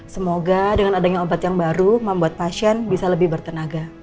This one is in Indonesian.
semoga dengan adanya obat yang baru membuat pasien bisa lebih bertenaga